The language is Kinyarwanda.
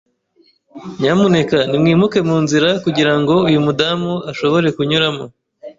Nyamuneka nimwimuke munzira kugirango uyu mudamu ashobore kunyuramo.